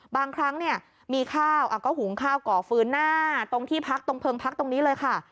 บางครั้งเนี่ยมีข้าวก็หุงข้าวก่อฟื้นหน้าตรงที่พักตรงเพิงพักตรงนี้เลยค่ะ